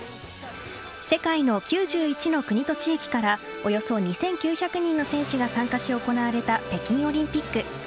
世界の９１の国と地域からおよそ２９００人の選手が参加し行われた北京オリンピック。